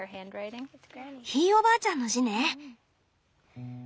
ひいおばあちゃんの字ね。